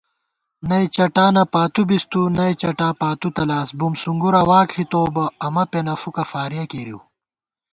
نئ چٹانہ پاتُو بِس تُو، نئ چٹا پاتُو تلاس * بُم سُونگُرا واک ݪِتوؤ بہ، امہ پېنہ فُوکہ فارِیَہ کېرِیؤ